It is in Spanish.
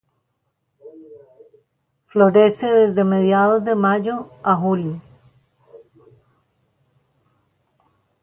Florece desde mediados de mayo a julio.